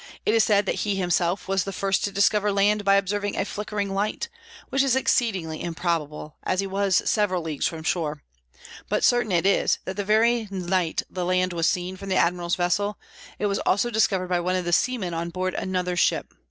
It is said that he himself was the first to discover land by observing a flickering light, which is exceedingly improbable, as he was several leagues from shore; but certain it is, that the very night the land was seen from the Admiral's vessel, it was also discovered by one of the seamen on board another ship.